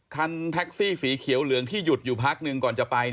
คันแท็กซี่สีเขียวเหลืองที่หยุดอยู่พักหนึ่งก่อนจะไป